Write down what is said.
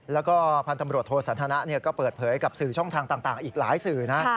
แล้วก็พันธุ์ตำรวจโทสันทนะก็เปิดเผยกับสื่อช่องทางต่างอีกหลายสื่อนะ